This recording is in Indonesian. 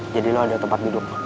jadi lo ada tempat duduk